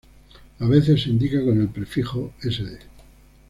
A veces se indica con el prefijo "sd".